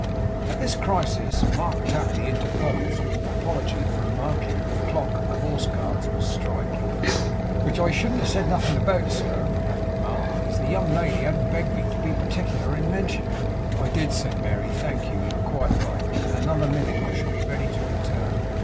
At this crisis Mark Tapley interposed, with an apology for remarking that the clock at the Horse Guards was striking. 'Which I shouldn't have said nothing about, sir,' added Mark, 'if the young lady hadn't begged me to be particular in mentioning it.' 'I did,' said Mary. 'Thank you. You are quite right. In another minute I shall be ready to return.